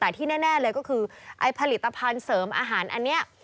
แต่ที่แน่เลยก็คือไอ้ผลิตภัณฑ์เสริมอาหารอันนี้